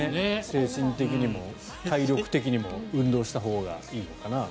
精神的にも体力的にも運動したほうがいいのかなと。